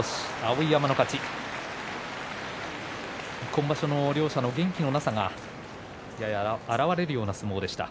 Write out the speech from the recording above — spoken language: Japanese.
今場所の両者の元気のなさが表れるような相撲でした。